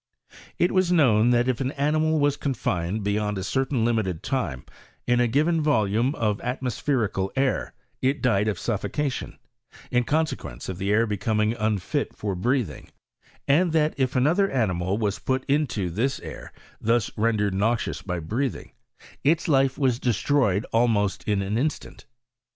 It was known, that if an animal was confined be yond a certain limited time in a given volume of atmospherical air, it died of suffocation, in conse quence of the air becoming unfit for breathing; and that if another animal was put into this air, thai rendered noxious by breathing, its life was d& stroyed almost in an instant.